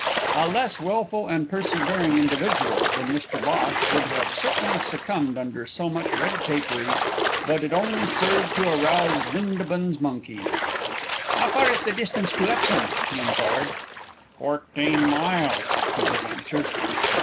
A less wilful and persevering individual than Mr Bhosh would have certainly succumbed under so much red tapery, but it only served to arouse Bindabun's monkey. "How far is the distance to Epsom?" he inquired. "Fourteen miles," he was answered.